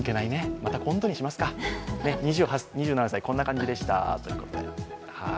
また今度にしますか２７歳、こんな感じでしたということで。